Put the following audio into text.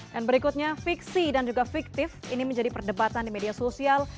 dan berikutnya fiksi dan juga fiktif ini menjadi perdebatan di media sosial